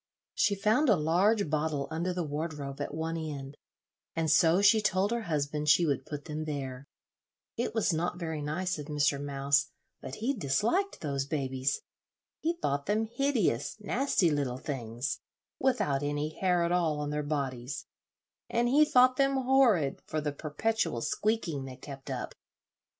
She found a large bottle under the wardrobe at one end, and so she told her husband she would put them there. It was not very nice of Mr. Mouse, but he disliked those babies. He thought them hideous, nasty little things, without any hair at all on their bodies, and he thought them horrid for the perpetual squeaking they kept up.